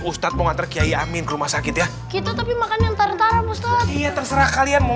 ustadz mengantar kaya amin rumah sakit ya kita tapi makan entar entar iya terserah kalian mau